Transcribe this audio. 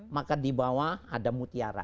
maka di bawah ada mutiara